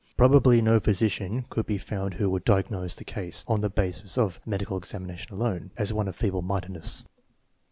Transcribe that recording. Probably no physician could be found who would diagnose the case, on the basis of a medical examination alone, as one of feeble mindedness.